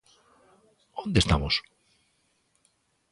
¿Onde estamos?